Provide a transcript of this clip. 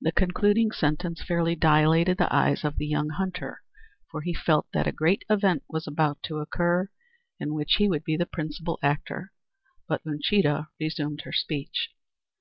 The concluding sentence fairly dilated the eyes of the young hunter, for he felt that a great event was about to occur, in which he would be the principal actor. But Uncheedah resumed her speech.